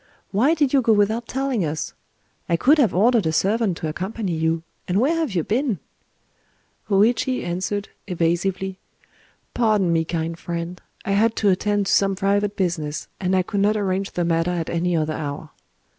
Why did you go without telling us? I could have ordered a servant to accompany you. And where have you been?" Hōïchi answered, evasively,— "Pardon me kind friend! I had to attend to some private business; and I could not arrange the matter at any other hour."